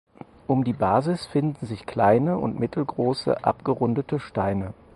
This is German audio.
Um die Basis finden sich kleine und mittelgroße abgerundete Steine.